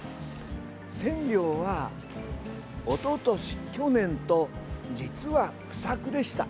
千両はおととし、去年と実は不作でした。